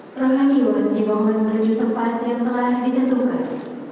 perani untuk dimohon berjuta empat yang telah ditetapkan